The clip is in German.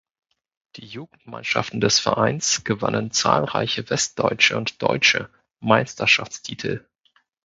Die Jugendmannschaften des Vereins gewannen zahlreiche Westdeutsche und Deutsche Meisterschaftstitel.